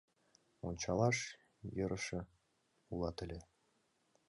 Ончалаш йӧрышӧ улат ыле